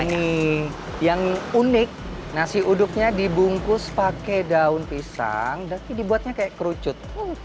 ini yang unik nasi uduknya dibungkus pakai daun pisang dan dibuatnya kayak kerucut